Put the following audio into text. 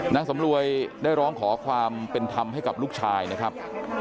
นางสำรวยได้ร้องขอความเป็นธรรมให้กับลูกชายนะครับ